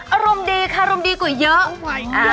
อารมณ์ดีค่ะอารมณ์ดีกว่าเยอะ